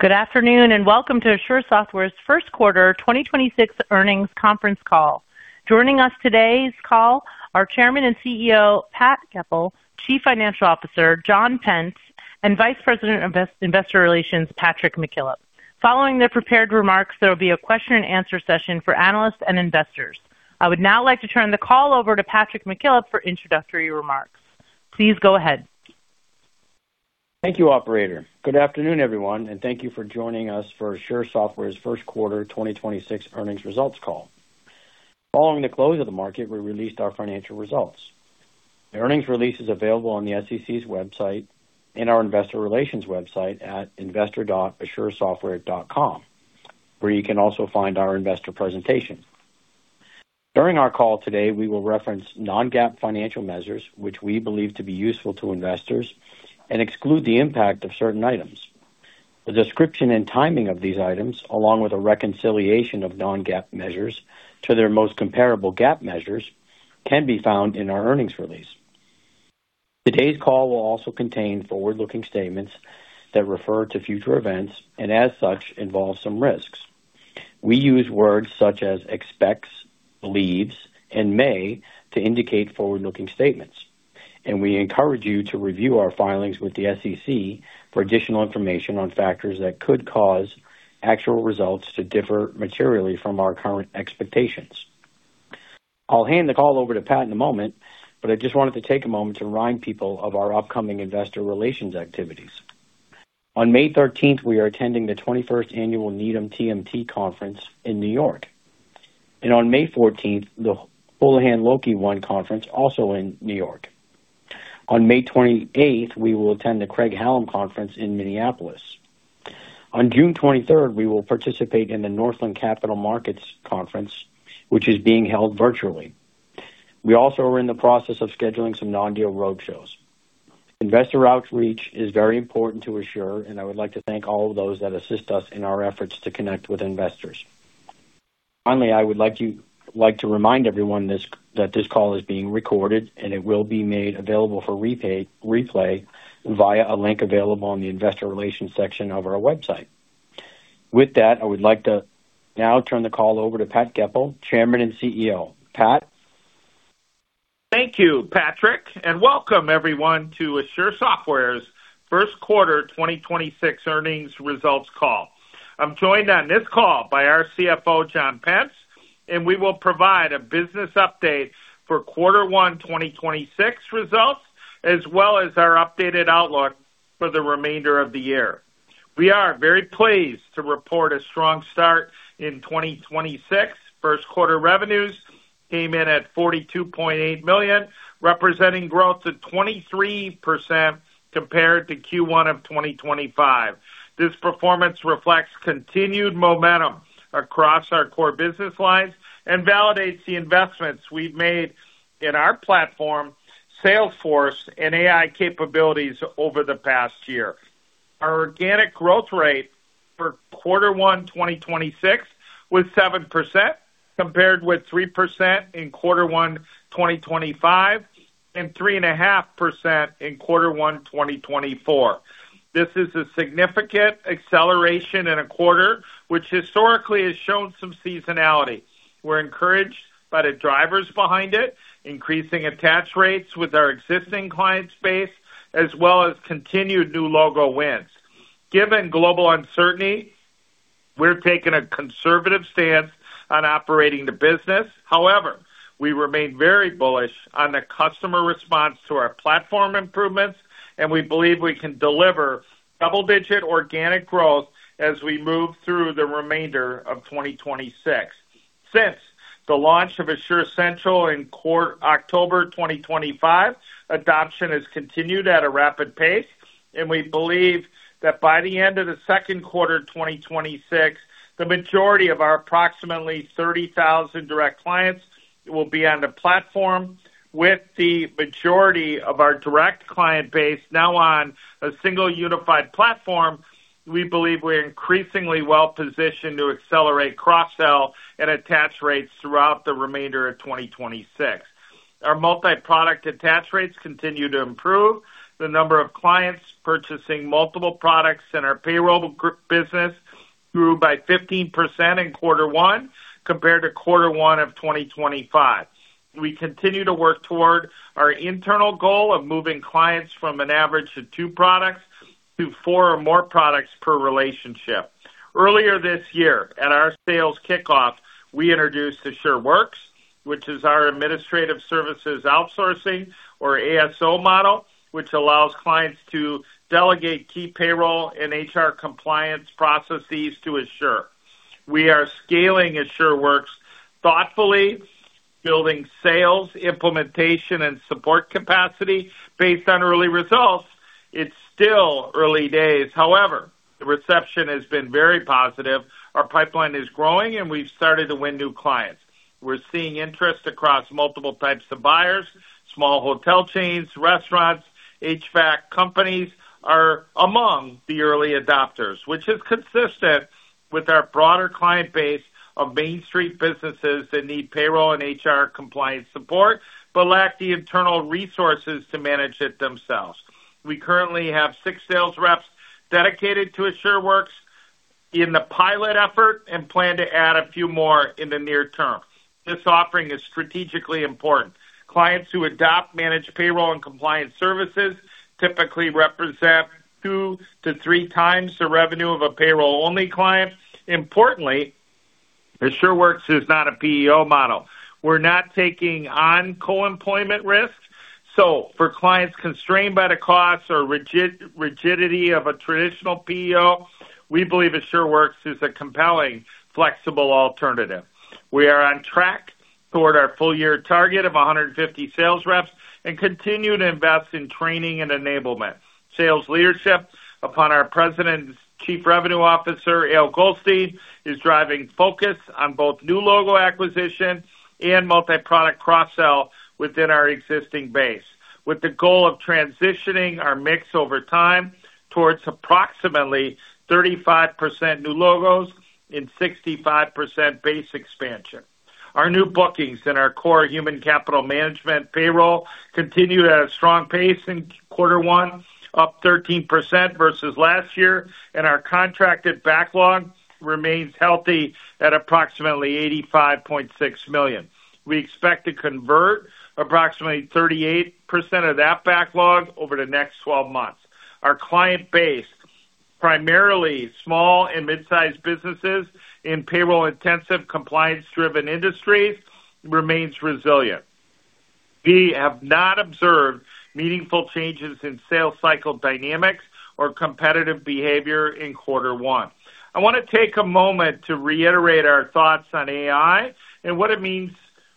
Good afternoon, welcome to Asure Software's first quarter 2026 earnings conference call. Joining us today's call are Chairman and CEO, Pat Goepel, Chief Financial Officer, John Pence, and Vice President of Investor Relations, Patrick McKillop. Following their prepared remarks, there will be a question-and-answer session for analysts and investors. I would now like to turn the call over to Patrick McKillop for introductory remarks. Please go ahead. Thank you, operator. Good afternoon, everyone, and thank you for joining us for Asure Software's first quarter 2026 earnings results call. Following the close of the market, we released our financial results. The earnings release is available on the SEC's website and our investor relations website at investor.asuresoftware.com, where you can also find our investor presentation. During our call today, we will reference non-GAAP financial measures, which we believe to be useful to investors and exclude the impact of certain items. The description and timing of these items, along with a reconciliation of non-GAAP measures to their most comparable GAAP measures, can be found in our earnings release. Today's call will also contain forward-looking statements that refer to future events and, as such, involve some risks. We use words such as expects, believes, and may to indicate forward-looking statements, and we encourage you to review our filings with the SEC for additional information on factors that could cause actual results to differ materially from our current expectations. I'll hand the call over to Pat in a moment, but I just wanted to take a moment to remind people of our upcoming investor relations activities. On May 13th, we are attending the 21st Annual Needham TMT Conference in New York. On May 14th, the Houlihan Lokey ONE Conference, also in New York. On May 28th, we will attend the Craig-Hallum Conference in Minneapolis. On June 23rd, we will participate in the Northland Capital Markets conference, which is being held virtually. We also are in the process of scheduling some non-deal roadshows. Investor outreach is very important to Asure, and I would like to thank all those that assist us in our efforts to connect with investors. Finally, I would like to remind everyone that this call is being recorded, and it will be made available for replay via a link available on the investor relations section of our website. With that, I would like to now turn the call over to Pat Goepel, Chairman and CEO. Pat. Thank you, Patrick, and welcome everyone to Asure Software's first quarter 2026 earnings results call. I'm joined on this call by our CFO, John Pence, and we will provide a business update for quarter one 2026 results, as well as our updated outlook for the remainder of the year. We are very pleased to report a strong start in 2026. First quarter revenues came in at $42.8 million, representing growth of 23% compared to Q1 2025. This performance reflects continued momentum across our core business lines and validates the investments we've made in our platform, Salesforce, and AI capabilities over the past year. Our organic growth rate for quarter one 2026 was 7%, compared with 3% in quarter one 2025 and 3.5% in quarter one 2024. This is a significant acceleration in a quarter, which historically has shown some seasonality. We're encouraged by the drivers behind it, increasing attach rates with our existing client space, as well as continued new logo wins. Given global uncertainty, we're taking a conservative stance on operating the business. However, we remain very bullish on the customer response to our platform improvements, and we believe we can deliver double-digit organic growth as we move through the remainder of 2026. Since the launch of AsureCentral in October 2025, adoption has continued at a rapid pace, and we believe that by the end of the second quarter 2026, the majority of our approximately 30,000 direct clients will be on the platform. With the majority of our direct client base now on a single unified platform, we believe we're increasingly well-positioned to accelerate cross-sell and attach rates throughout the remainder of 2026. Our multi-product attach rates continue to improve. The number of clients purchasing multiple products in our payroll business grew by 15% in quarter one compared to quarter one of 2025. We continue to work toward our internal goal of moving clients from an average of two products to four or more products per relationship. Earlier this year, at our sales kickoff, we introduced AsureWorks, which is our Administrative Services Outsourcing or ASO model, which allows clients to delegate key payroll and HR compliance processes to Asure. We are scaling AsureWorks thoughtfully, building sales, implementation, and support capacity based on early results. It's still early days. The reception has been very positive. Our pipeline is growing, and we've started to win new clients. We're seeing interest across multiple types of buyers. Small hotel chains, restaurants, HVAC companies are among the early adopters, which is consistent with our broader client base of Main Street businesses that need payroll and HR compliance support, but lack the internal resources to manage it themselves. We currently have six sales reps dedicated to AsureWorks in the pilot effort and plan to add a few more in the near term. This offering is strategically important. Clients who adopt Managed Payroll and Compliance Services typically represent two to three times the revenue of a payroll-only client. AsureWorks is not a PEO model. We're not taking on co-employment risks. For clients constrained by the costs or rigidity of a traditional PEO, we believe AsureWorks is a compelling, flexible alternative. We are on track toward our full-year target of 150 sales reps and continue to invest in training and enablement. Sales leadership, upon our President and Chief Revenue Officer, Eyal Goldstein, is driving focus on both new logo acquisition and multi-product cross-sell within our existing base, with the goal of transitioning our mix over time towards approximately 35% new logos and 65% base expansion. Our new bookings in our core human capital management payroll continued at a strong pace in Quarter one, up 13% versus last year, and our contracted backlog remains healthy at approximately $85.6 million. We expect to convert approximately 38% of that backlog over the next 12 months. Our client base, primarily small and mid-sized businesses in payroll-intensive, compliance-driven industries, remains resilient. We have not observed meaningful changes in sales cycle dynamics or competitive behavior in quarter one. I want to take a moment to reiterate our thoughts on AI and what it means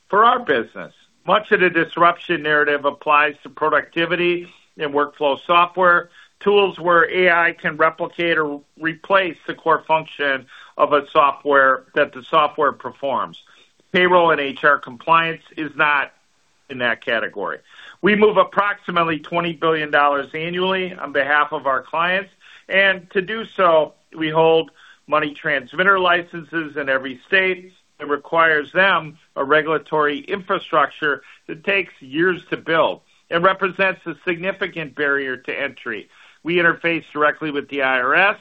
for our business. Much of the disruption narrative applies to productivity and workflow software, tools where AI can replicate or replace the core function of a software that the software performs. Payroll and HR compliance is not in that category. We move approximately $20 billion annually on behalf of our clients, to do so, we hold money transmitter licenses in every state that requires them, a regulatory infrastructure that takes years to build and represents a significant barrier to entry. We interface directly with the IRS,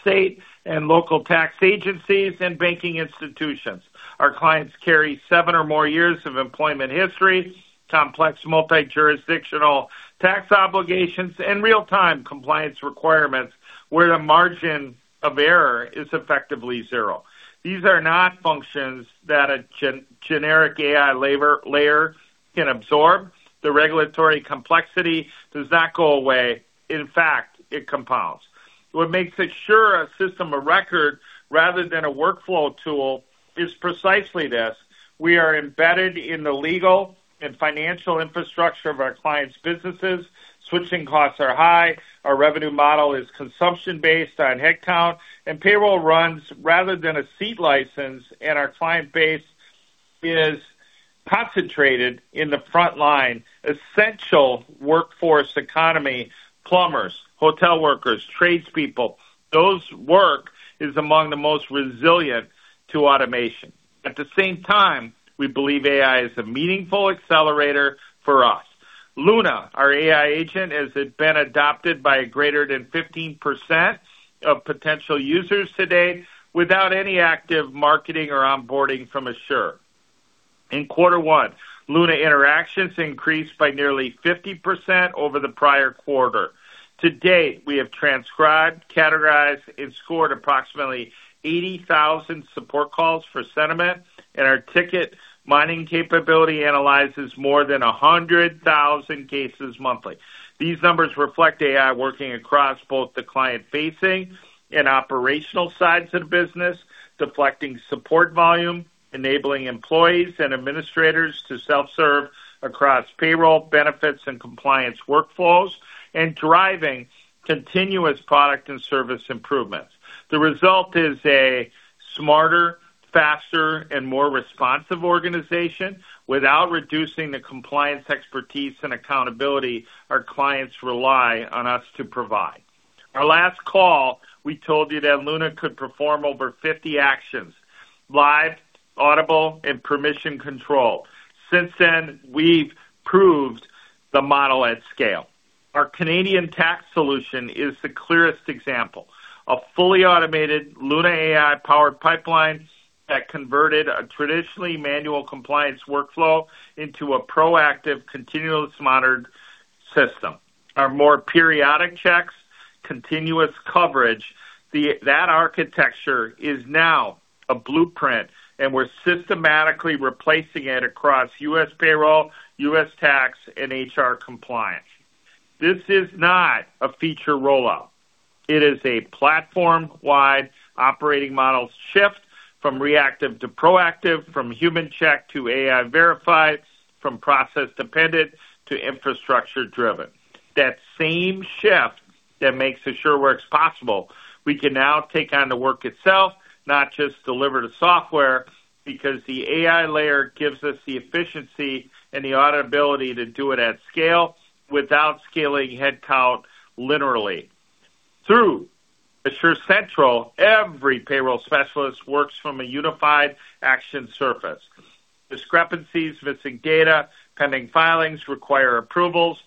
state and local tax agencies, and banking institutions. Our clients carry seven or more years of employment history, complex multi-jurisdictional tax obligations, and real-time compliance requirements where the margin of error is effectively zero. These are not functions that a generic AI labor layer can absorb. The regulatory complexity does not go away. In fact, it compounds. What makes Asure a system of record rather than a workflow tool is precisely this. We are embedded in the legal and financial infrastructure of our clients' businesses. Switching costs are high. Our revenue model is consumption-based on headcount and payroll runs rather than a seat license, and our client base is concentrated in the front line, essential workforce economy, plumbers, hotel workers, tradespeople. Their work is among the most resilient to automation. At the same time, we believe AI is a meaningful accelerator for us. Luna, our AI agent, has been adopted by greater than 15% of potential users to date without any active marketing or onboarding from Asure. In quarter one, Luna interactions increased by nearly 50% over the prior quarter. To date, we have transcribed, categorized, and scored approximately 80,000 support calls for sentiment, and our ticket mining capability analyzes more than 100,000 cases monthly. These numbers reflect AI working across both the client-facing and operational sides of the business, deflecting support volume, enabling employees and administrators to self-serve across payroll, benefits, and compliance workflows, and driving continuous product and service improvements. The result is a smarter, faster, and more responsive organization without reducing the compliance expertise and accountability our clients rely on us to provide. Our last call, we told you that Luna could perform over 50 actions, live, audible, and permission control. Since then, we've proved the model at scale. Our Canadian tax solution is the clearest example. A fully automated Luna AI-powered pipeline that converted a traditionally manual compliance workflow into a proactive, continuous monitored system. Our more periodic checks, continuous coverage, that architecture is now a blueprint, and we're systematically replacing it across U.S. payroll, U.S. tax, and HR compliance. This is not a feature rollout. It is a platform-wide operating model shift from reactive to proactive, from human check to AI verified, from process-dependent to infrastructure-driven. That same shift that makes AsureWorks possible, we can now take on the work itself, not just deliver the software, because the AI layer gives us the efficiency and the auditability to do it at scale without scaling headcount linearly. Through AsureCentral, every payroll specialist works from a unified action surface. Discrepancies, missing data, pending filings require approvals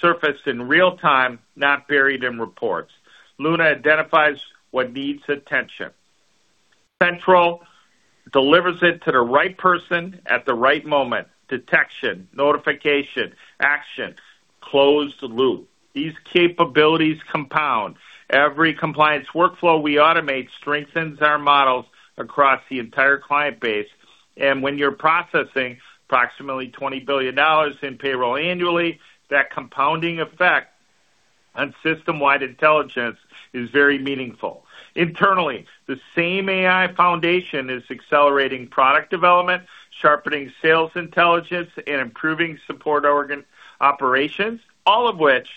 surfaced in real time, not buried in reports. Luna identifies what needs attention. Central delivers it to the right person at the right moment. Detection, notification, action, closed loop. These capabilities compound. Every compliance workflow we automate strengthens our models across the entire client base. When you're processing approximately $20 billion in payroll annually, that compounding effect on system-wide intelligence is very meaningful. Internally, the same AI foundation is accelerating product development, sharpening sales intelligence, and improving support operations, all of which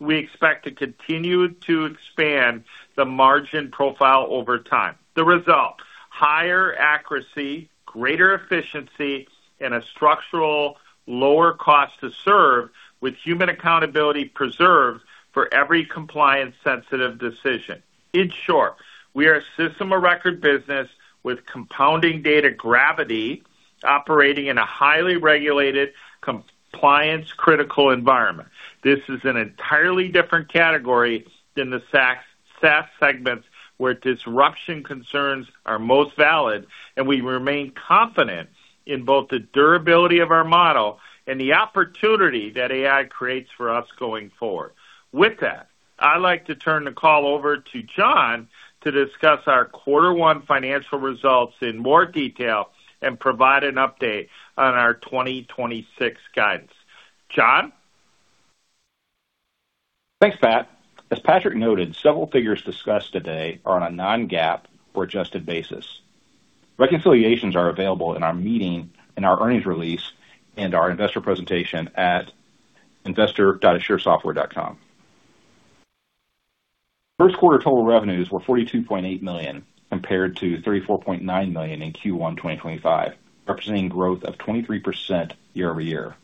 we expect to continue to expand the margin profile over time. The result, higher accuracy, greater efficiency, and a structural lower cost to serve with human accountability preserved for every compliance sensitive decision. In short, we are a system of record business with compounding data gravity operating in a highly regulated, compliance critical environment. This is an entirely different category than the SaaS segments where disruption concerns are most valid, and we remain confident in both the durability of our model and the opportunity that AI creates for us going forward. With that, I'd like to turn the call over to John to discuss our quarter one financial results in more detail and provide an update on our 2026 guidance. John. Thanks, Pat. As Patrick noted, several figures discussed today are on a non-GAAP or adjusted basis. Reconciliations are available in our meeting, in our earnings release, and our investor presentation at investor.asuresoftware.com. First quarter total revenues were $42.8 million, compared to $34.9 million in Q1 2025, representing growth of 23% year-over-year.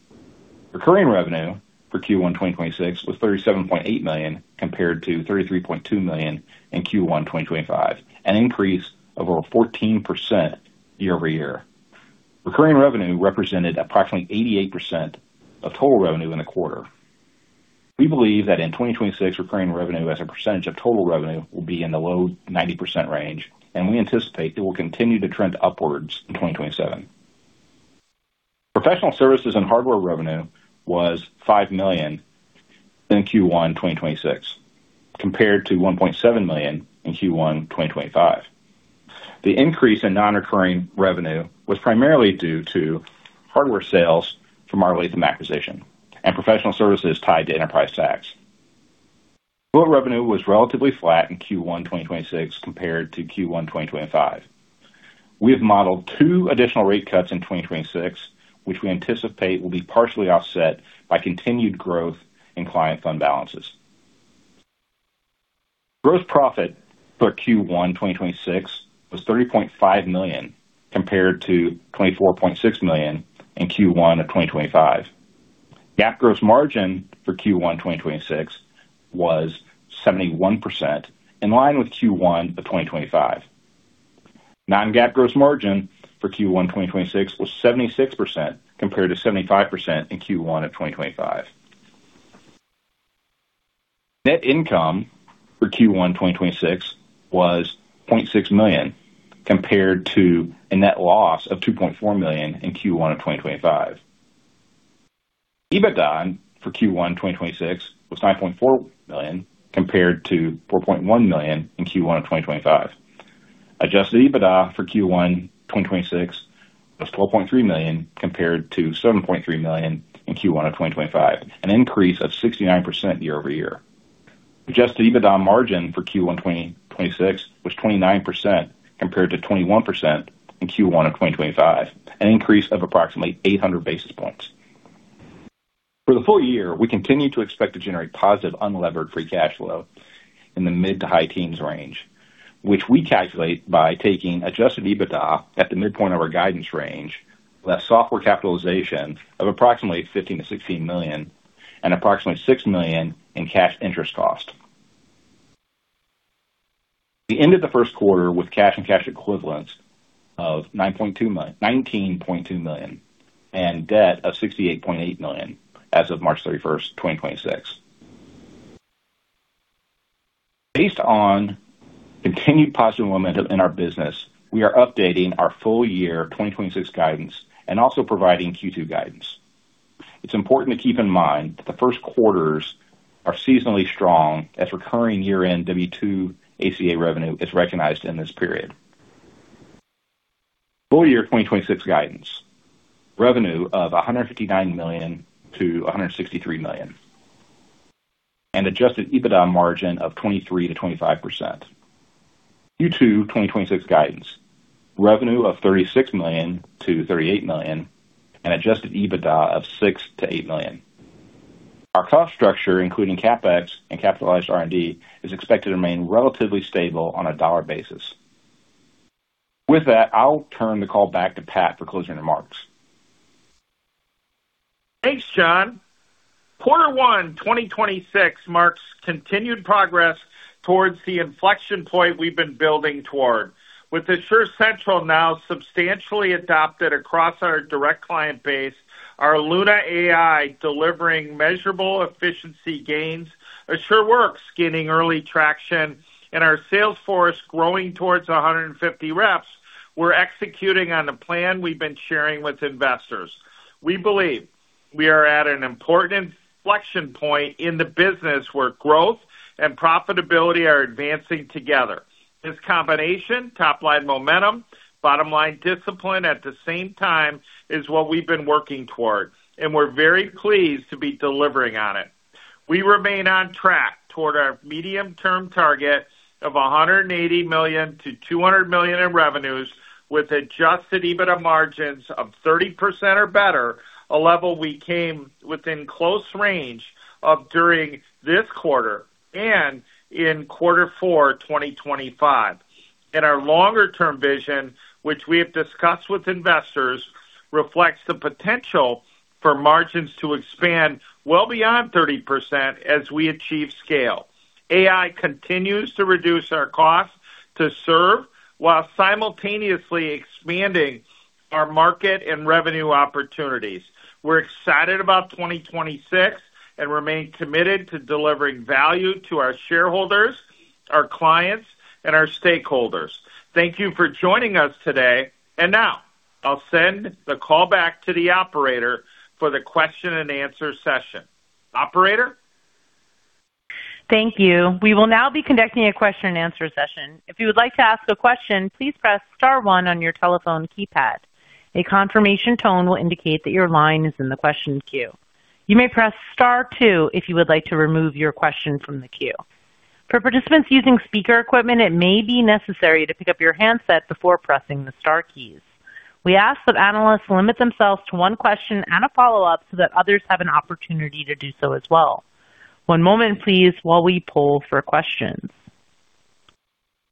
Recurring revenue for Q1 2026 was $37.8 million compared to $33.2 million in Q1 2025, an increase of over 14% year-over-year. Recurring revenue represented approximately 88% of total revenue in the quarter. We believe that in 2026, recurring revenue as a percentage of total revenue will be in the low 90% range, and we anticipate it will continue to trend upwards in 2027. Professional services and hardware revenue was $5 million in Q1 2026, compared to $1.7 million in Q1 2025. The increase in non-recurring revenue was primarily due to hardware sales from our Lathem acquisition and professional services tied to enterprise tax. Total revenue was relatively flat in Q1 2026 compared to Q1 2025. We have modeled two additional rate cuts in 2026, which we anticipate will be partially offset by continued growth in client fund balances. Gross profit for Q1 2026 was $30.5 million, compared to $24.6 million in Q1 of 2025. GAAP gross margin for Q1 2026 was 71%, in line with Q1 of 2025. Non-GAAP gross margin for Q1 2026 was 76% compared to 75% in Q1 of 2025. Net income for Q1 2026 was $0.6 million compared to a net loss of $2.4 million in Q1 of 2025. EBITDA for Q1 2026 was $9.4 million compared to $4.1 million in Q1 of 2025. Adjusted EBITDA for Q1 2026 was $12.3 million compared to $7.3 million in Q1 of 2025, an increase of 69% year-over-year. Adjusted EBITDA margin for Q1 2026 was 29% compared to 21% in Q1 of 2025, an increase of approximately 800 basis points. For the full year, we continue to expect to generate positive unlevered free cash flow in the mid-to-high teens range, which we calculate by taking adjusted EBITDA at the midpoint of our guidance range, less software capitalization of approximately $15 million-$16 million and approximately $6 million in cash interest cost. We ended the first quarter with cash and cash equivalents of $19.2 million and debt of $68.8 million as of March 31st, 2026. Based on continued positive momentum in our business, we are updating our full year 2026 guidance and also providing Q2 guidance. It's important to keep in mind that the first quarters are seasonally strong as recurring year-end W-2 ACA revenue is recognized in this period. Full year 2026 guidance, revenue of $159 million-$163 million, and adjusted EBITDA margin of 23%-25%. Q2 2026 guidance, revenue of $36 million-$38 million and adjusted EBITDA of $6 million-$8 million. Our cost structure, including CapEx and capitalized R&D, is expected to remain relatively stable on a dollar basis. With that, I'll turn the call back to Pat for closing remarks. Thanks, John. Quarter one 2026 marks continued progress towards the inflection point we've been building toward. With the AsureCentral now substantially adopted across our direct client base, our Luna AI delivering measurable efficiency gains, AsureWorks gaining early traction, and our sales force growing towards 150 reps, we're executing on the plan we've been sharing with investors. We believe we are at an important inflection point in the business where growth and profitability are advancing together. This combination, top-line momentum, bottom-line discipline at the same time, is what we've been working towards, and we're very pleased to be delivering on it. We remain on track toward our medium-term target of $180 million-$200 million in revenues with adjusted EBITDA margins of 30% or better, a level we came within close range of during this quarter and in quarter four 2025. Our longer term vision, which we have discussed with investors, reflects the potential for margins to expand well beyond 30% as we achieve scale. AI continues to reduce our cost to serve while simultaneously expanding our market and revenue opportunities. We're excited about 2026 and remain committed to delivering value to our shareholders, our clients, and our stakeholders. Thank you for joining us today. Now I'll send the call back to the operator for the question-and-answer session. Operator? Thank you. We will now be conducting a question-and-answer session. We ask that analysts limit themselves to one question and a follow-up so that others have an opportunity to do so as well. One moment, please, while we poll for questions.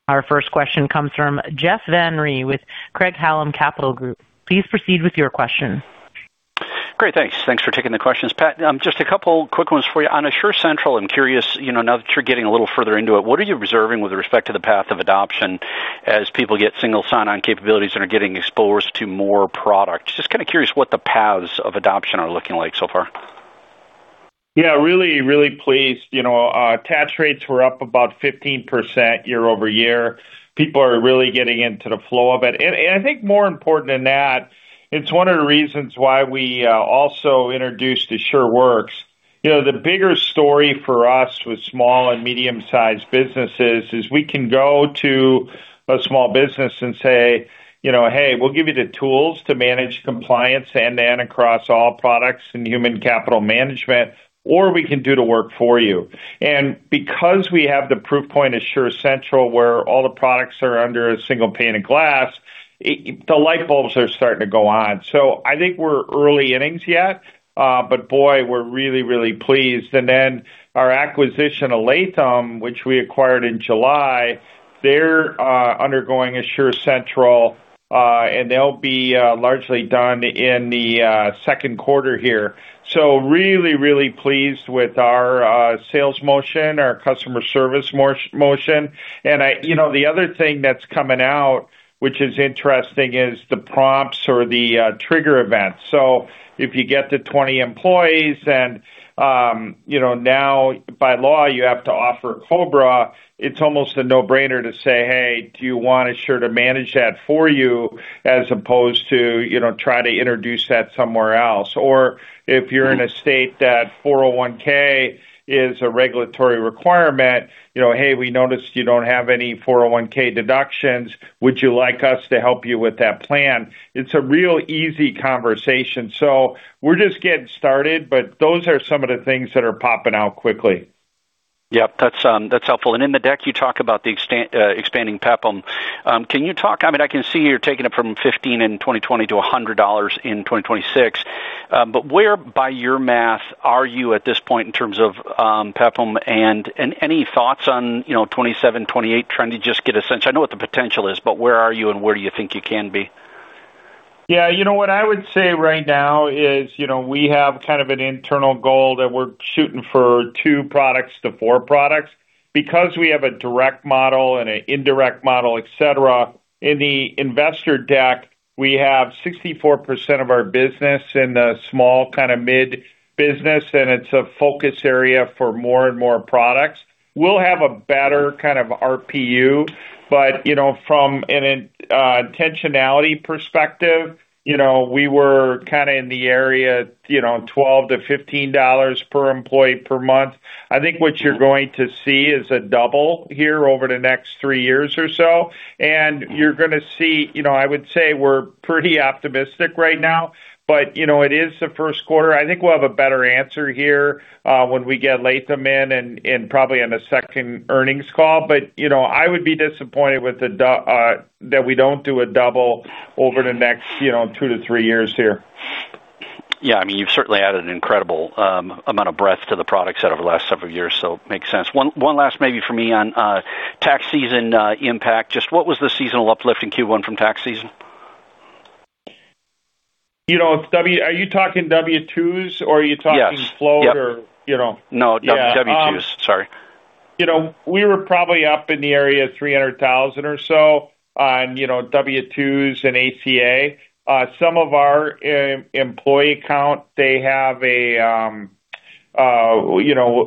Our first question comes from Jeff Van Rhee with Craig-Hallum Capital Group. Please proceed with your question. Great. Thanks. Thanks for taking the questions. Pat, just a couple quick ones for you. On AsureCentral, I'm curious, you know, now that you're getting a little further into it, what are you reserving with respect to the path of adoption as people get single sign-on capabilities that are getting exposed to more products? Just kinda curious what the paths of adoption are looking like so far. Yeah, really, really pleased. You know, attach rates were up about 15% year-over-year. People are really getting into the flow of it. I think more important than that, it's one of the reasons why we also introduced AsureWorks. You know, the bigger story for us with small and medium-sized businesses is we can go to a small business and say, you know, "Hey, we'll give you the tools to manage compliance end-to-end across all products in human capital management, or we can do the work for you." Because we have the proof point AsureCentral, where all the products are under a single pane of glass, the light bulbs are starting to go on. I think we're early innings yet, but boy, we're really, really pleased. Our acquisition of Lathem, which we acquired in July, they're undergoing AsureCentral, and they'll be largely done in the second quarter here. Really, really pleased with our sales motion, our customer service motion. You know, the other thing that's coming out, which is interesting, is the prompts or the trigger events. If you get to 20 employees and, you know, now by law, you have to offer COBRA, it's almost a no-brainer to say, "Hey, do you want Asure to manage that for you as opposed to, you know, try to introduce that somewhere else?" If you're in a state that 401(k) is a regulatory requirement, you know, "Hey, we noticed you don't have any 401(k) deductions. Would you like us to help you with that plan? It's a real easy conversation. We're just getting started, but those are some of the things that are popping out quickly. Yep. That's helpful. In the deck, you talk about expanding PEPM. I mean, I can see you're taking it from $15 in 2020 to $100 in 2026. Where, by your math, are you at this point in terms of PEPM? Any thoughts on, you know, 2027, 2028, trying to just get a sense. I know what the potential is, but where are you and where do you think you can be? Yeah, you know what I would say right now is, you know, we have kind of an internal goal that we're shooting for two products to four products. Because we have a direct model and a indirect model, et cetera, in the investor deck, we have 64% of our business in the small kind of mid-business, and it's a focus area for more and more products. We'll have a better kind of RPU, but, you know, from an intentionality perspective, you know, we were kinda in the area, you know, $12-$15 per employee per month. I think what you're going to see is a double here over the next three years or so, and you're gonna see. You know, I would say we're pretty optimistic right now, but, you know, it is the first quarter. I think we'll have a better answer here, when we get Lathem in and probably on the second earnings call. You know, I would be disappointed with that we don't do a double over the next, you know, two to three years here. I mean, you've certainly added an incredible amount of breadth to the product set over the last several years, makes sense. One last maybe for me on tax season impact. Just what was the seasonal uplift in Q1 from tax season? You know, are you talking W-2s or are you talking? Yes Float or, you know? No. Yeah. W-2s. Sorry. You know, we were probably up in the area of 300,000 or so on, you know, W-2s and ACA. Some of our employee count, they have a, you know,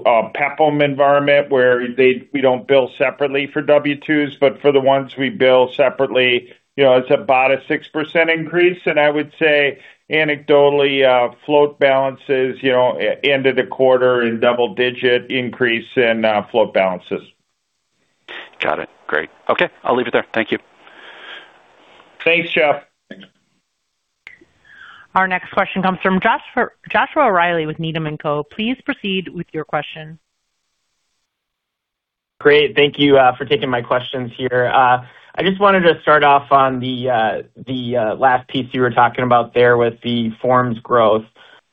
a PEPM environment where we don't bill separately for W-2s, but for the ones we bill separately, you know, it's about a 6% increase. I would say anecdotally, float balances, you know, end of the quarter in double digit increase in float balances. Got it. Great. Okay, I'll leave it there. Thank you. Thanks, Jeff. Our next question comes from Joshua Reilly with Needham & Company. Please proceed with your question. Great. Thank you for taking my questions here. I just wanted to start off on the last piece you were talking about there with the forms growth.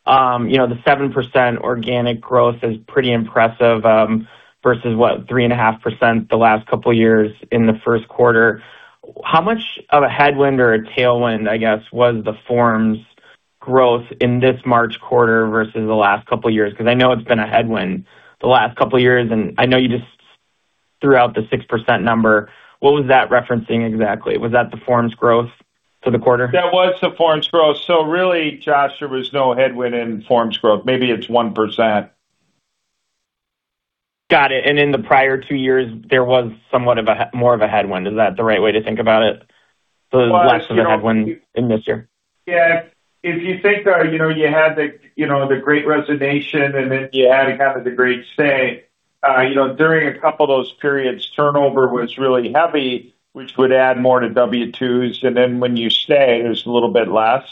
You know, the 7% organic growth is pretty impressive versus what? 3.5% the last couple of years in the first quarter. How much of a headwind or a tailwind, I guess, was the forms growth in this March quarter versus the last couple of years? 'Cause I know it's been a headwind the last couple of years, and I know you just threw out the 6% number. What was that referencing exactly? Was that the forms growth for the quarter? That was the forms growth. Really, Josh, there was no headwind in forms growth. Maybe it's 1%. Got it. In the prior two years, there was somewhat of a more of a headwind. Is that the right way to think about it? Well, you know. Less of a headwind in this year. Yeah. If you think, you know, you had the, you know, the great resignation. You had kind of the great stay, you know, during a couple of those periods, turnover was really heavy, which would add more to W-2s. When you stay, there's a little bit less.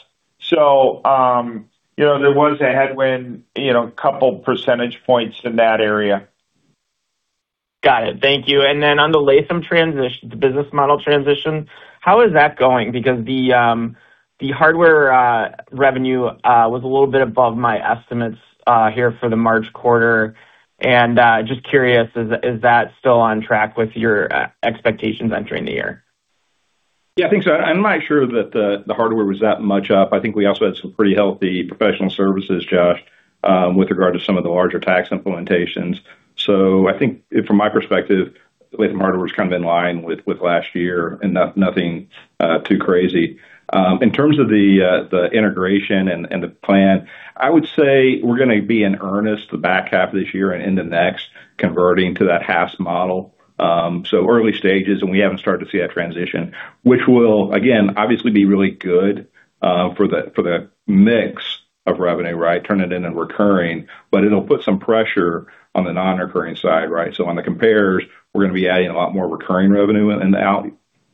You know, there was a headwind, you know, couple percentage points in that area. Got it. Thank you. On the Lathem transition, the business model transition, how is that going? The hardware revenue was a little bit above my estimates here for the March quarter. Just curious, is that still on track with your expectations entering the year? Yeah, I think so. I'm not sure that the hardware was that much up. I think we also had some pretty healthy professional services, Josh, with regard to some of the larger tax implementations. I think from my perspective, Lathem hardware is kind of in line with last year and nothing too crazy. In terms of the integration and the plan, I would say we're gonna be in earnest the back half of this year and into next, converting to that half model. Early stages, and we haven't started to see that transition, which will again obviously be really good for the mix of revenue, right? Turn it into recurring, but it'll put some pressure on the non-recurring side, right? On the compares, we're gonna be adding a lot more recurring revenue in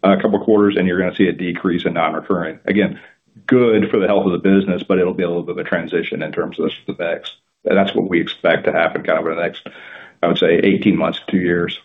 and out, couple quarters, you're gonna see a decrease in non-recurring. Again, good for the health of the business, but it'll be a little bit of a transition in terms of the specs. That's what we expect to happen kind of in the next, I would say 18 months to two years.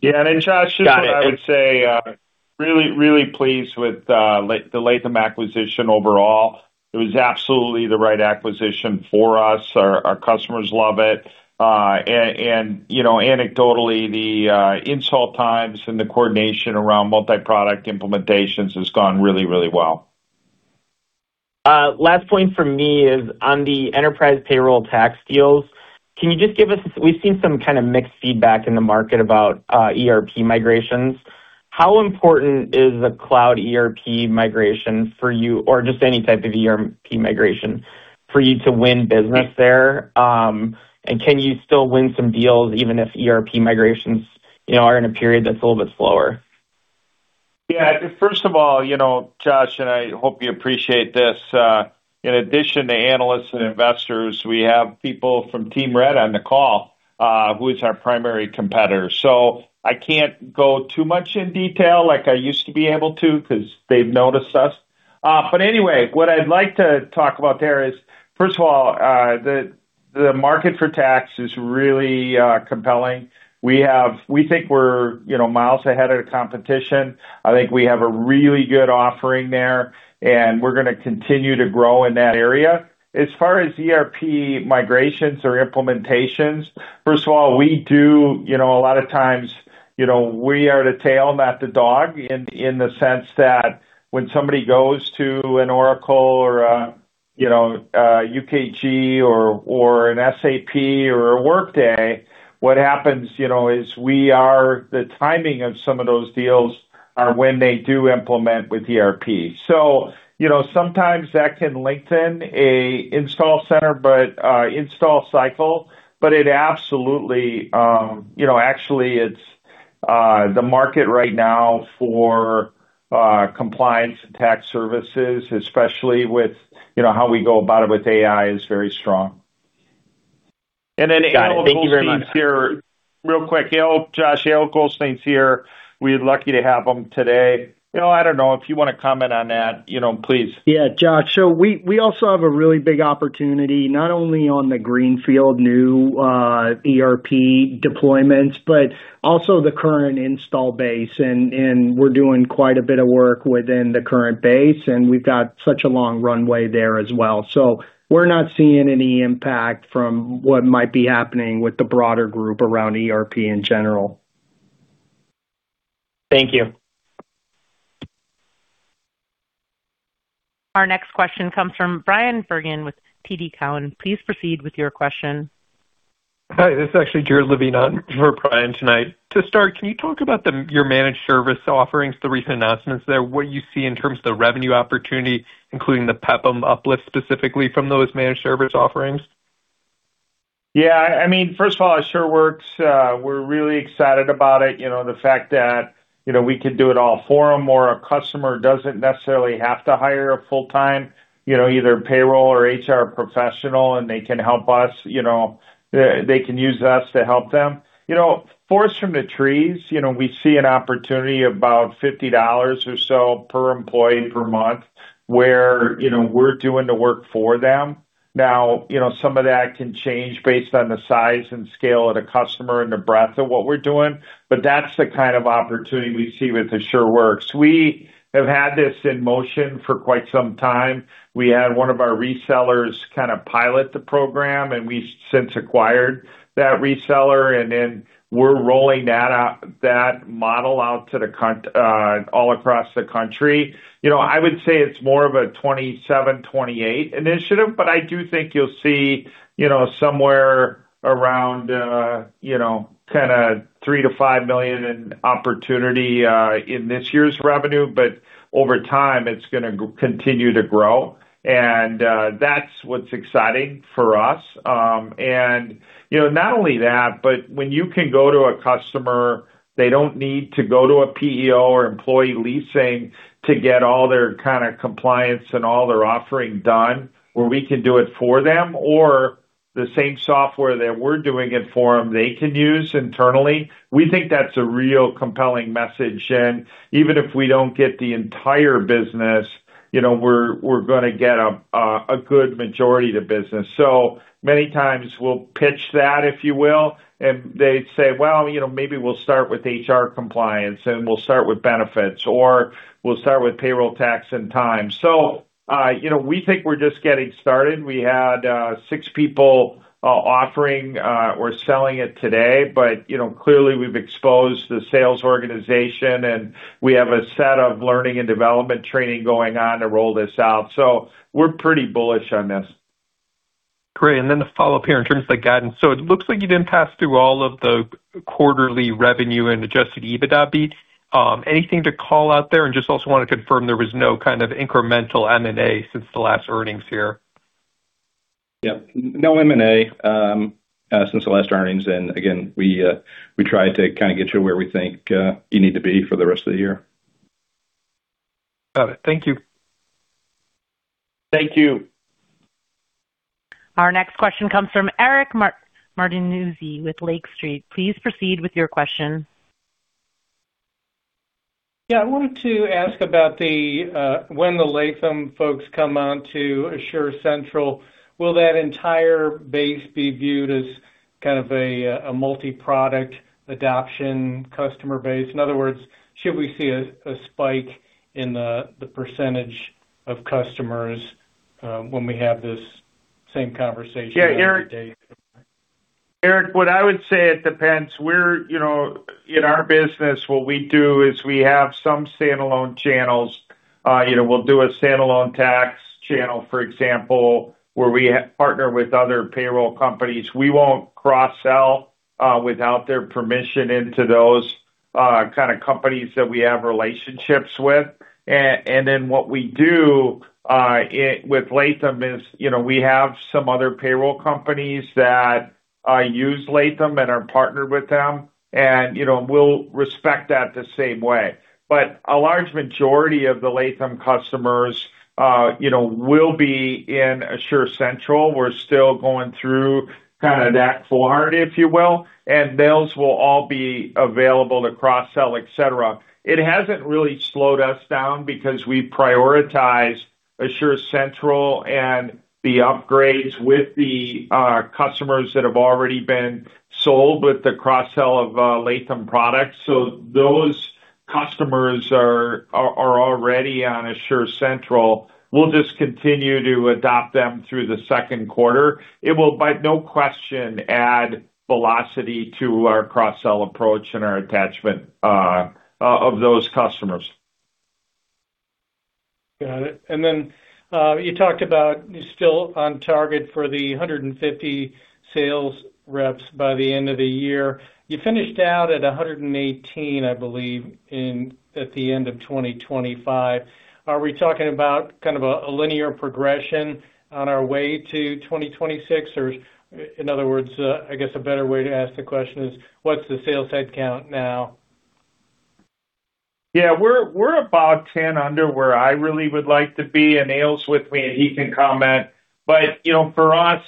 Yeah. Joshua. Got it. just what I would say, really, really pleased with the Lathem acquisition overall. It was absolutely the right acquisition for us. Our customers love it. And, you know, anecdotally, the install times and the coordination around multi-product implementations has gone really, really well. Last point for me is on the enterprise payroll tax deals. We've seen some kind of mixed feedback in the market about ERP migrations. How important is the cloud ERP migration for you, or just any type of ERP migration for you to win business there? Can you still win some deals even if ERP migrations, you know, are in a period that's a little bit slower? First of all, you know, Josh, and I hope you appreciate this, in addition to analysts and investors, we have people from Team Red on the call, who is our primary competitor. I can't go too much in detail like I used to be able to 'cause they've noticed us. What I'd like to talk about there is, first of all, the market for tax is really compelling. We think we're, you know, miles ahead of the competition. I think we have a really good offering there, and we're gonna continue to grow in that area. As far as ERP migrations or implementations, first of all, we do, you know, a lot of times, you know, we are the tail, not the dog, in the sense that when somebody goes to an Oracle or a, you know, a UKG or an SAP or a Workday, what happens, you know, is the timing of some of those deals are when they do implement with ERP. Sometimes, you know, that can lengthen install cycle, but it absolutely, you know, actually, it's the market right now for compliance and tax services, especially with, you know, how we go about it with AI, is very strong. Got it. Thank you very much. Eyal Goldstein's here. Real quick, Eyal. Joshua, Eyal Goldstein's here. We're lucky to have him today. You know, I don't know if you wanna comment on that, you know, please. Yeah. Josh, we also have a really big opportunity, not only on the greenfield new ERP deployments, but also the current install base. We're doing quite a bit of work within the current base, and we've got such a long runway there as well. We're not seeing any impact from what might be happening with the broader group around ERP in general. Thank you. Our next question comes from Bryan Bergin with TD Cowen. Please proceed with your question. Hi, this is actually Jared Levine on for Bryan Bergin tonight. To start, can you talk about the, your managed service offerings, the recent announcements there, what you see in terms of the revenue opportunity, including the PEPM uplift specifically from those managed service offerings? First of all, AsureWorks, we're really excited about it. You know, the fact that, you know, we can do it all for them, or a customer doesn't necessarily have to hire a full-time, you know, either payroll or HR professional, and they can help us, you know, they can use us to help them. You know, forest from the trees, you know, we see an opportunity about $50 or so per employee per month where, you know, we're doing the work for them. Now, you know, some of that can change based on the size and scale of the customer and the breadth of what we're doing, but that's the kind of opportunity we see with AsureWorks. We have had this in motion for quite some time. We had one of our resellers kind of pilot the program, and we've since acquired that reseller, and then we're rolling that out, that model out to all across the country. You know, I would say it's more of a 2027, 2028 initiative, but I do think you'll see, you know, kind of $3 million-$5 million in opportunity in this year's revenue. Over time, it's gonna continue to grow. That's what's exciting for us. You know, not only that, but when you can go to a customer, they don't need to go to a PEO or employee leasing to get all their kind of compliance and all their offering done, where we can do it for them or the same software that we're doing it for them, they can use internally. Even if we don't get the entire business, you know, we're gonna get a good majority of the business. Many times we'll pitch that, if you will, and they say, "Well, you know, maybe we'll start with HR compliance, and we'll start with benefits, or we'll start with payroll tax and time." You know, we think we're just getting started. We had six people offering or selling it today. You know, clearly we've exposed the sales organization, and we have a set of learning and development training going on to roll this out. We're pretty bullish on this. Great. Then to follow up here in terms of the guidance. It looks like you didn't pass through all of the quarterly revenue and adjusted EBITDA beat. Anything to call out there? Just also want to confirm there was no kind of incremental M&A since the last earnings here. Yep. No M&A since the last earnings. Again, we try to kind of get you where we think you need to be for the rest of the year. Got it. Thank you. Thank you. Our next question comes from Eric Martinuzzi with Lake Street. Please proceed with your question. Yeah. I wanted to ask about the, when the Lathem folks come on to AsureCentral, will that entire base be viewed as kind of a multiproduct adoption customer base? In other words, should we see a spike in the percentage of customers when we have this same conversation another day? Yeah, Eric, what I would say, it depends. We're, you know, in our business, what we do is we have some standalone channels. You know, we'll do a standalone tax channel, for example, where we partner with other payroll companies. We won't cross-sell without their permission into those kind of companies that we have relationships with. Then what we do with Lathem is, you know, we have some other payroll companies that use Lathem and are partnered with them. You know, we'll respect that the same way. A large majority of the Lathem customers, you know, will be in AsureCentral. We're still going through kinda that floor, if you will, and those will all be available to cross-sell, et cetera. It hasn't really slowed us down because we prioritize AsureCentral and the upgrades with the customers that have already been sold with the cross-sell of Lathem products. Those customers are already on AsureCentral. We'll just continue to adopt them through the second quarter. It will, by no question, add velocity to our cross-sell approach and our attachment of those customers. Got it. You talked about you're still on target for the 150 sales reps by the end of the year. You finished out at 118, I believe, in, at the end of 2025. Are we talking about kind of a linear progression on our way to 2026? In other words, I guess a better way to ask the question is, what's the sales headcount now? Yeah. We're about 10 under where I really would like to be. Eyal with me, and he can comment. You know, for us,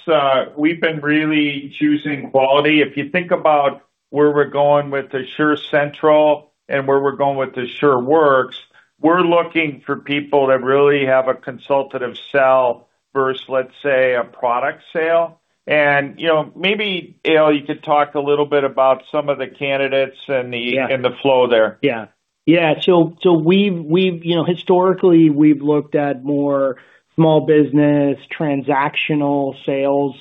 we've been really choosing quality. If you think about where we're going with AsureCentral and where we're going with AsureWorks, we're looking for people that really have a consultative sell versus, let's say, a product sale. You know, maybe, Eyal, you could talk a little bit about some of the candidates and the- Yeah The flow there. Yeah. Yeah. We've, you know, historically, we've looked at more small business transactional sales.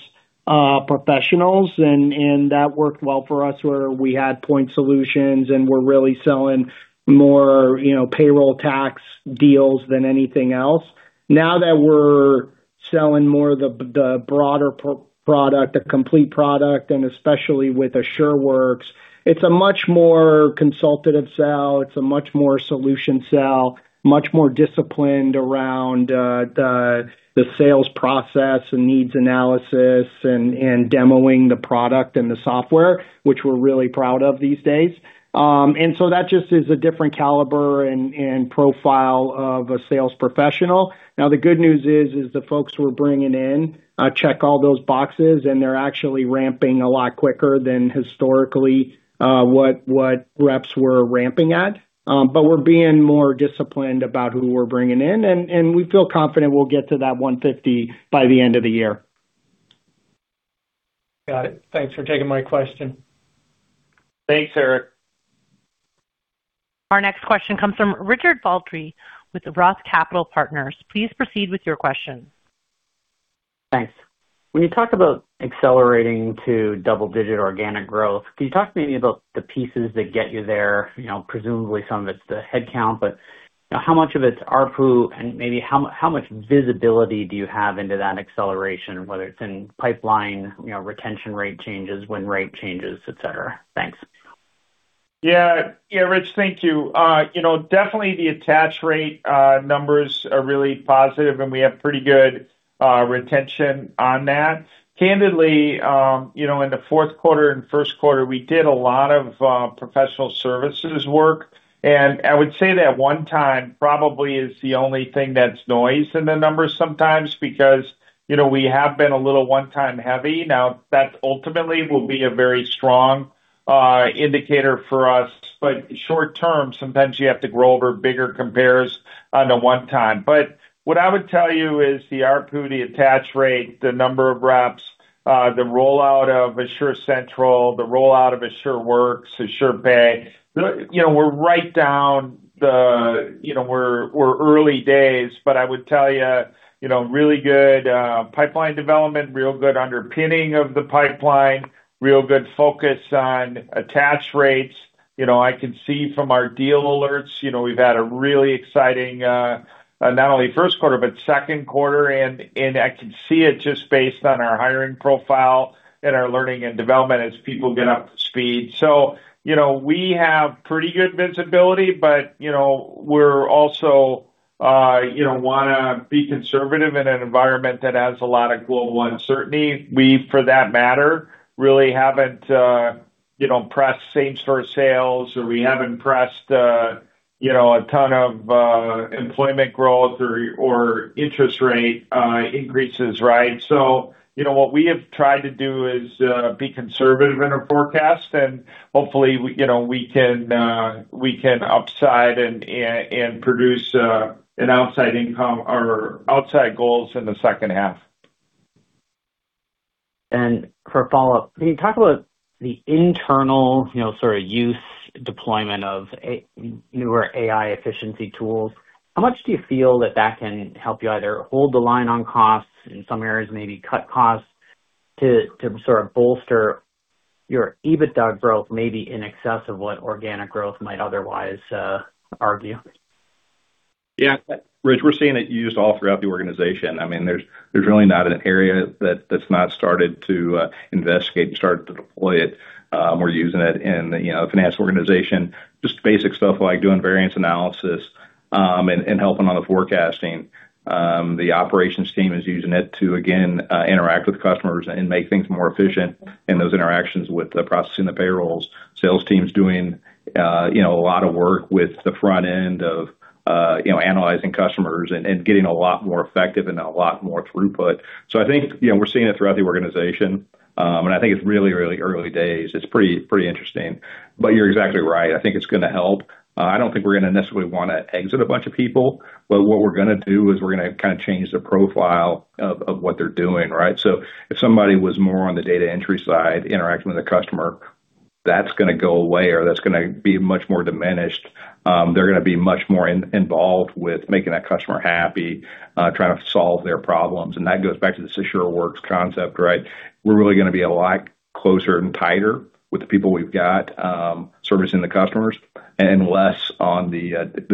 Professionals, and that worked well for us where we had point solutions and we're really selling more, you know, payroll tax deals than anything else. Now that we're selling more of the broader pro-product, the complete product, and especially with AsureWorks, it's a much more consultative sell, it's a much more solution sell, much more disciplined around the sales process and needs analysis and demoing the product and the software, which we're really proud of these days. That just is a different caliber and profile of a sales professional. Now, the good news is the folks we're bringing in check all those boxes, and they're actually ramping a lot quicker than historically what reps were ramping at. We're being more disciplined about who we're bringing in, and we feel confident we'll get to that 150 by the end of the year. Got it. Thanks for taking my question. Thanks, Eric. Our next question comes from Richard Platt with Roth Capital Partners. Please proceed with your question. Thanks. When you talk about accelerating to double-digit organic growth, can you talk to me about the pieces that get you there? You know, presumably some of it's the headcount, but, you know, how much of it's ARPU, and maybe how much visibility do you have into that acceleration, whether it's in pipeline, you know, retention rate changes, win rate changes, et cetera? Thanks. Yeah. Yeah, Rich, thank you. You know, definitely the attach rate, numbers are really positive, and we have pretty good retention on that. Candidly, you know, in the fourth quarter and first quarter, we did a lot of professional services work. I would say that one time probably is the only thing that's noise in the numbers sometimes because, you know, we have been a little one-time heavy. That ultimately will be a very strong indicator for us. Short term, sometimes you have to grow over bigger compares on a one time. What I would tell you is the ARPU, the attach rate, the number of reps, the rollout of AsureCentral, the rollout of AsureWorks, AsurePay. You know, we're early days, but I would tell you know, really good pipeline development, real good underpinning of the pipeline, real good focus on attach rates. You know, I can see from our deal alerts, you know, we've had a really exciting not only first quarter, but second quarter, I can see it just based on our hiring profile and our learning and development as people get up to speed. You know, we have pretty good visibility, but, you know, we're also, you know, wanna be conservative in an environment that has a lot of global uncertainty. We, for that matter, really haven't, you know, pressed same-store sales, or we haven't pressed, you know, a ton of employment growth or interest rate increases, right. You know, what we have tried to do is be conservative in our forecast, and hopefully, you know, we can we can upside and produce an upside income or upside goals in the second half. For follow-up, can you talk about the internal, you know, sort of use deployment of newer AI efficiency tools? How much do you feel that that can help you either hold the line on costs, in some areas maybe cut costs to sort of bolster your EBITDA growth, maybe in excess of what organic growth might otherwise argue? Yeah. Rich, we're seeing it used all throughout the organization. I mean, there's really not an area that's not started to investigate and started to deploy it. We're using it in, you know, finance organization, just basic stuff like doing variance analysis and helping on the forecasting. The operations team is using it to, again, interact with customers and make things more efficient in those interactions with the processing the payrolls. Sales team's doing, you know, a lot of work with the front end of, you know, analyzing customers and getting a lot more effective and a lot more throughput. I think, you know, we're seeing it throughout the organization. I think it's really early days. It's pretty interesting. You're exactly right. I think it's gonna help. I don't think we're gonna necessarily wanna exit a bunch of people, but what we're gonna do is we're gonna kind of change the profile of what they're doing, right? If somebody was more on the data entry side, interacting with a customer, that's gonna go away or that's gonna be much more diminished. They're gonna be much more involved with making that customer happy, trying to solve their problems. That goes back to the AsureWorks concept, right? We're really gonna be a lot closer and tighter with the people we've got, servicing the customers and less on the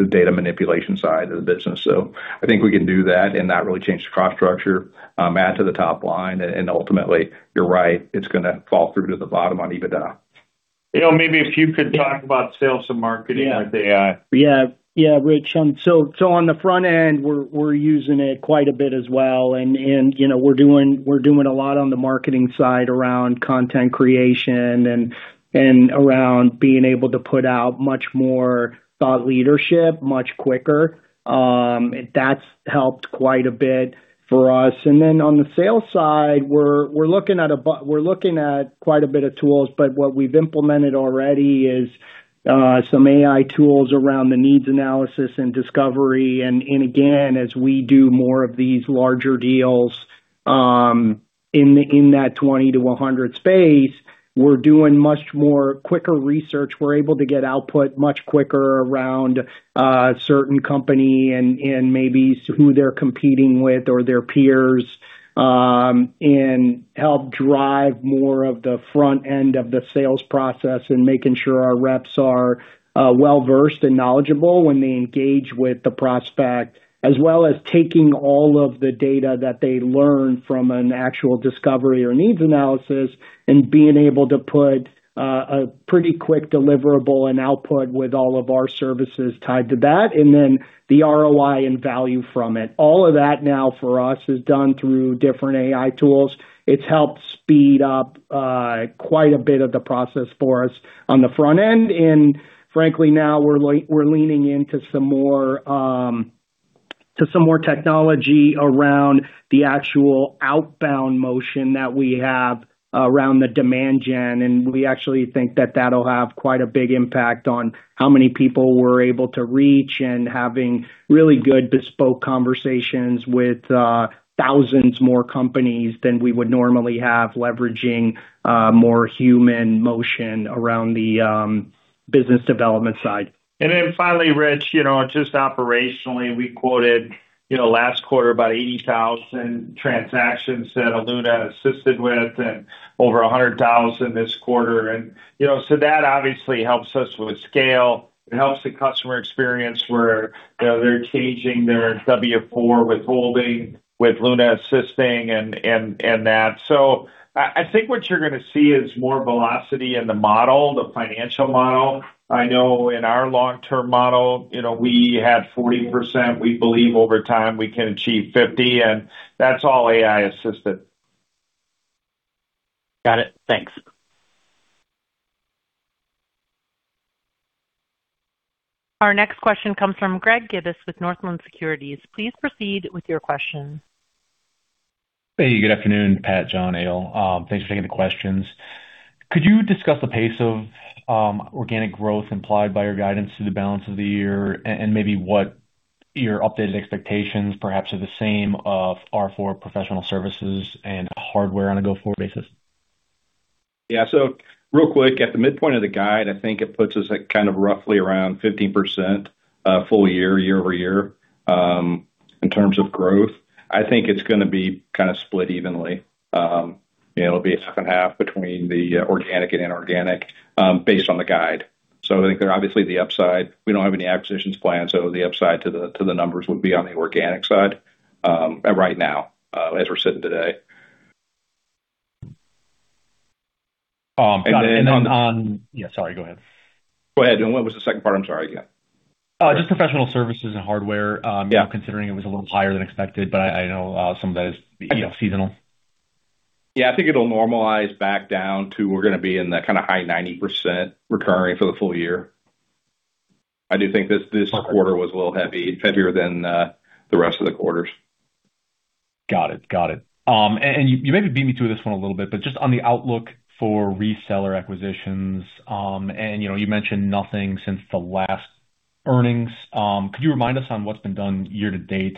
data manipulation side of the business. I think we can do that, and that really changes the cost structure, add to the top line, and ultimately, you're right, it's gonna fall through to the bottom on EBITDA. You know, maybe if you could talk about sales and marketing with AI. Yeah. Yeah. Yeah, Rich. On the front end, we're using it quite a bit as well. You know, we're doing a lot on the marketing side around content creation and around being able to put out much more thought leadership much quicker. That's helped quite a bit for us. On the sales side, we're looking at quite a bit of tools, but what we've implemented already is some AI tools around the needs analysis and discovery. Again, as we do more of these larger deals, in that 20-100 space. We're doing much more quicker research. We're able to get output much quicker around a certain company and maybe who they're competing with or their peers, and help drive more of the front end of the sales process and making sure our reps are well-versed and knowledgeable when they engage with the prospect, as well as taking all of the data that they learn from an actual discovery or needs analysis and being able to put a pretty quick deliverable and output with all of our services tied to that, and then the ROI and value from it. All of that now for us is done through different AI tools. It's helped speed up quite a bit of the process for us on the front end. Frankly, now we're leaning into some more to some more technology around the actual outbound motion that we have around the demand gen. We actually think that that'll have quite a big impact on how many people we're able to reach and having really good bespoke conversations with thousands more companies than we would normally have, leveraging more human motion around the business development side. Finally, Rich, you know, just operationally, we quoted, you know, last quarter about 80,000 transactions that Luna assisted with and over 100,000 this quarter. You know, so that obviously helps us with scale. It helps the customer experience where, you know, they're changing their W-4 withholding with Luna assisting and that. I think what you're gonna see is more velocity in the model, the financial model. I know in our long-term model, you know, we had 40%. We believe over time we can achieve 50, and that's all AI-assisted. Got it. Thanks. Our next question comes from Greg Gibas with Northland Securities. Please proceed with your question. Hey, good afternoon, Pat, John, Eyal. Thanks for taking the questions. Could you discuss the pace of organic growth implied by your guidance through the balance of the year and maybe what your updated expectations perhaps are the same of R-four professional services and hardware on a go-forward basis? Yeah. Real quick, at the midpoint of the guide, I think it puts us at kind of roughly around 15% full year-over-year in terms of growth. I think it's gonna be kind of split evenly. You know, it'll be a second half between the organic and inorganic based on the guide. I think they're obviously the upside. We don't have any acquisitions planned, so the upside to the numbers would be on the organic side right now as we're sitting today. Um, and then on- And then on- Yeah, sorry. Go ahead. Go ahead. What was the second part? I'm sorry. Yeah. Just professional services and hardware. Yeah... Considering it was a little higher than expected. I know, some of that is, you know, seasonal. Yeah. I think it'll normalize back down to we're gonna be in that kind of high 90% recurring for the full year. I do think this quarter was a little heavy, heavier than the rest of the quarters. Got it. Got it. You maybe beat me to this one a little bit, but just on the outlook for reseller acquisitions, and, you know, you mentioned nothing since the last earnings. Could you remind us on what's been done year to date?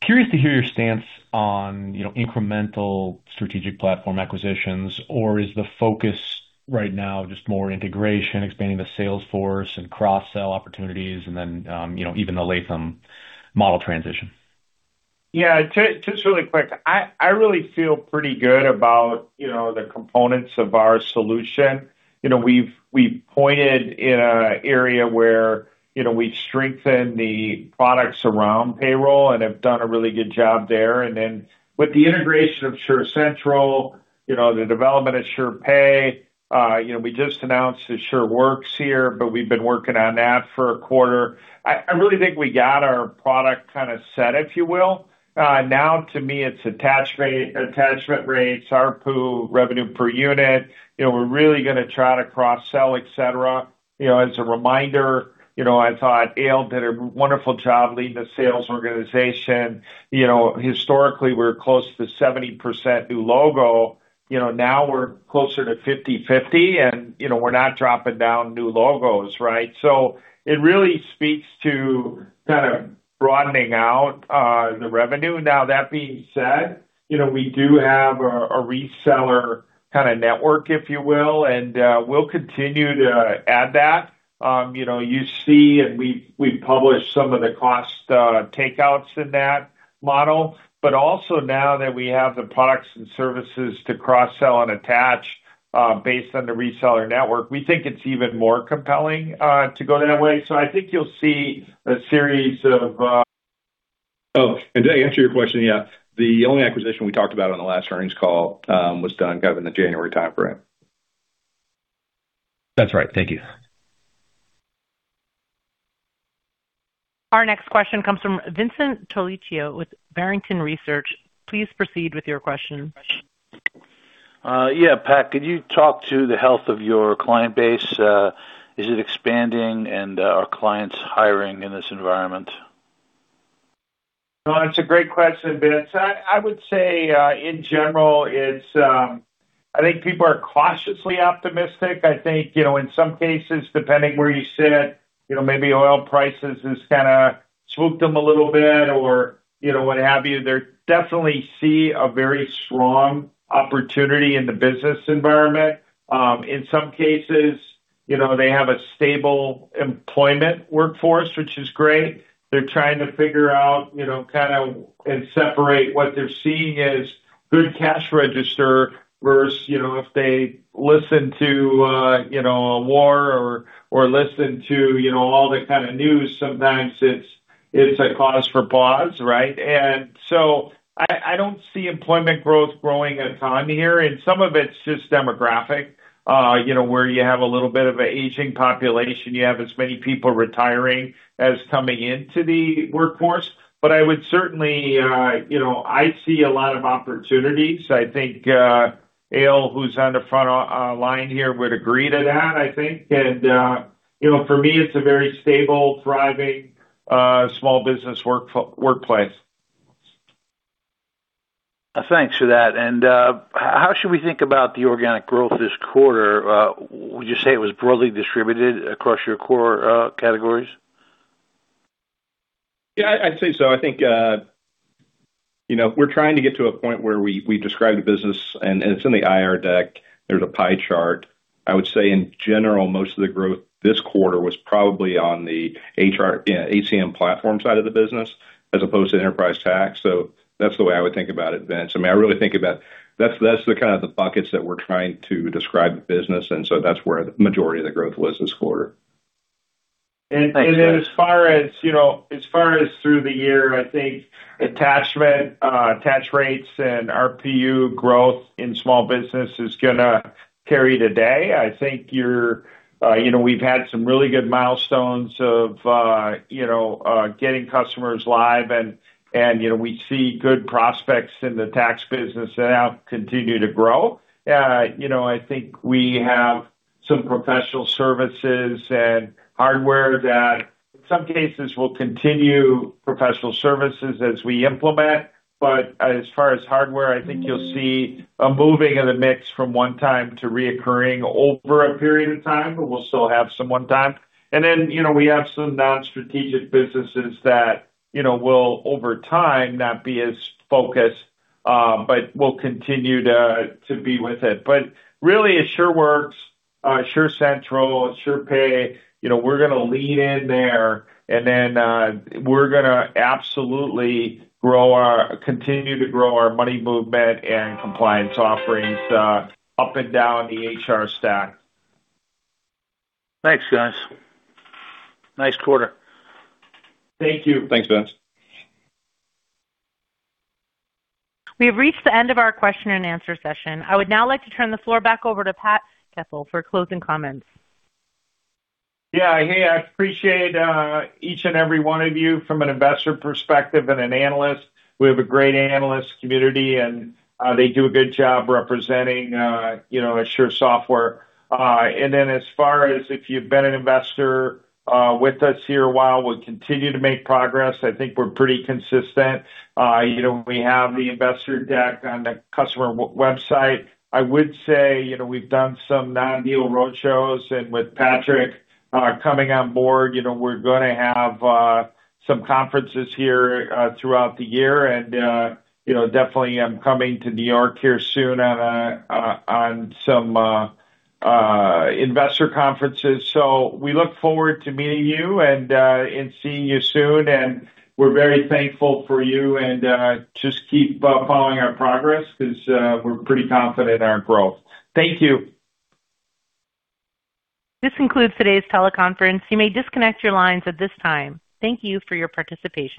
Curious to hear your stance on, you know, incremental strategic platform acquisitions, or is the focus right now just more integration, expanding the sales force and cross-sell opportunities and then, you know, even the Lathem model transition? Yeah. Just really quick, I really feel pretty good about, you know, the components of our solution. You know, we've pointed in a area where, you know, we've strengthened the products around payroll and have done a really good job there. With the integration of AsureCentral, you know, the development of AsurePay, you know, we just announced the AsureWorks here, but we've been working on that for a quarter. I really think we got our product kind of set, if you will. Now to me, it's attach rate, attachment rates, ARPU, revenue per unit. You know, we're really gonna try to cross-sell, et cetera. You know, as a reminder, you know, I thought Eyal did a wonderful job leading the sales organization. You know, historically, we're close to 70% new logo. Now we're closer to 50/50, we're not dropping down new logos, right? It really speaks to kind of broadening out the revenue. Now, that being said, we do have a reseller kind of network, if you will, and we'll continue to add that. You see and we've published some of the cost takeouts in that model. Also, now that we have the products and services to cross-sell and attach, based on the reseller network, we think it's even more compelling to go that way. To answer your question, yeah, the only acquisition we talked about on the last earnings call was done kind of in the January timeframe. That's right. Thank you. Our next question comes from Vincent Colicchio with Barrington Research. Please proceed with your question. Yeah. Pat, could you talk to the health of your client base? Is it expanding and are clients hiring in this environment? No, that's a great question, Vincent. I would say in general, I think people are cautiously optimistic. I think, you know, in some cases, depending where you sit, you know, maybe oil prices is kinda soured them a little bit or, you know, what have you. They definitely see a very strong opportunity in the business environment. In some cases, you know, they have a stable employment workforce, which is great. They're trying to figure out, you know, kinda, and separate what they're seeing as good cash register versus, you know, if they listen to, you know, a war or listen to, you know, all the kind of news, sometimes it's a cause for pause, right? I don't see employment growth growing a ton here, and some of it's just demographic, you know, where you have a little bit of an aging population. You have as many people retiring as coming into the workforce. I would certainly, you know, I see a lot of opportunities. I think, Eyal, who's on the front line here, would agree to that, I think. You know, for me, it's a very stable, thriving small business workplace. Thanks for that. How should we think about the organic growth this quarter? Would you say it was broadly distributed across your core categories? Yeah, I'd say so. I think, you know, we're trying to get to a point where we describe the business, it's in the IR deck. There's a pie chart. I would say, in general, most of the growth this quarter was probably on the, you know, HCM platform side of the business as opposed to enterprise tax. That's the way I would think about it, Vincent. I mean, I really think about. That's the kind of the buckets that we're trying to describe the business, that's where the majority of the growth was this quarter. Then as far as, you know, as far as through the year, I think attachment, attach rates and RPU growth in small business is going to carry the day. I think you're, you know, we've had some really good milestones of, you know, getting customers live and, you know, we see good prospects in the tax business that have continued to grow. You know, I think we have some professional services and hardware that in some cases will continue professional services as we implement. As far as hardware, I think you'll see a moving of the mix from one-time to recurring over a period of time, but we'll still have some one-time. You know, we have some non-strategic businesses that, you know, will over time not be as focused, but will continue to be with it. Really AsureWorks, AsureCentral, AsurePay, you know, we're gonna lean in there and then, we're gonna absolutely continue to grow our money movement and compliance offerings up and down the HR stack. Thanks, guys. Nice quarter. Thank you. Thanks, Vincent. We have reached the end of our question and answer session. I would now like to turn the floor back over to Pat Goepel for closing comments. Yeah. Hey, I appreciate each and every one of you from an investor perspective and an analyst. We have a great analyst community and they do a good job representing, you know, Asure Software. As far as if you've been an investor with us here a while, we'll continue to make progress. I think we're pretty consistent. You know, we have the investor deck on the customer website. I would say, you know, we've done some non-deal roadshows. With Patrick coming on board, you know, we're gonna have some conferences here throughout the year. You know, definitely I'm coming to New York here soon on some investor conferences. We look forward to meeting you and seeing you soon. We're very thankful for you and, just keep following our progress 'cause, we're pretty confident in our growth. Thank you. This concludes today's teleconference. You may disconnect your lines at this time. Thank you for your participation.